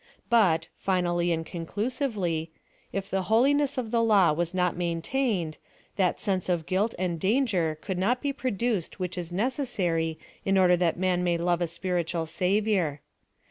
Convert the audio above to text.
But, finally and conclusively, if the holiness of the law was not maintained, that sense of guilt and danger could not be produced which is necessary in order that man may love a spiritual Savior.